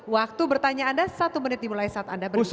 waktu bertanya anda satu menit dimulai saat anda berbicara